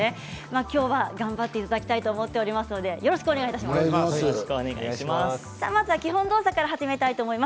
今日は頑張っていただきたいと思っておりますのでよろしくお願いします。